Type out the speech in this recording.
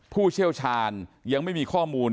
ผู้เชี่ยวชาญยังไม่มีข้อมูล